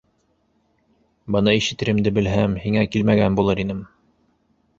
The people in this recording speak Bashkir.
Быны ишетеремде белһәм, һиңә килмәгән булыр инем!